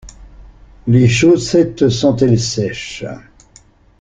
Les chaussettes sont-elles sèches?